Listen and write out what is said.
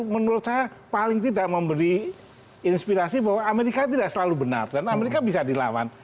menurut saya paling tidak memberi inspirasi bahwa amerika tidak selalu benar dan amerika bisa dilawan